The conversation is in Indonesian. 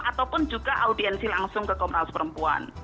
ataupun juga audiensi langsung ke komnas perempuan